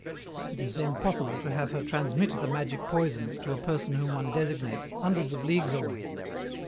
It is then possible to have her transmit the magic poisons to a person whom one designates, hundreds of leagues away.